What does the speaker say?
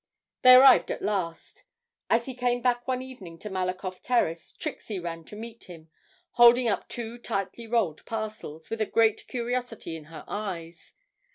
They arrived at last. As he came back one evening to Malakoff Terrace, Trixie ran to meet him, holding up two tightly rolled parcels, with a great curiosity in her eyes.